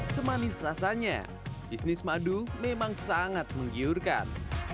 semanis rasanya bisnis madu memang sangat menggiurkan